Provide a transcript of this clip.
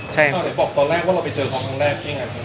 ใช่อ่าเดี๋ยวบอกตอนแรกว่าเราไปเจอเขาครั้งแรกยังไง